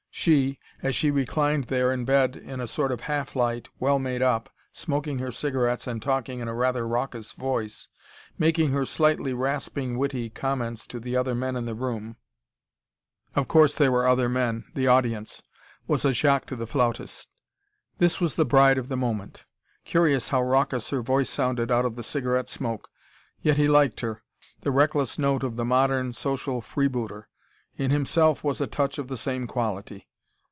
She, as she reclined there in bed in a sort of half light, well made up, smoking her cigarettes and talking in a rather raucous voice, making her slightly rasping witty comments to the other men in the room of course there were other men, the audience was a shock to the flautist. This was the bride of the moment! Curious how raucous her voice sounded out of the cigarette smoke. Yet he liked her the reckless note of the modern, social freebooter. In himself was a touch of the same quality.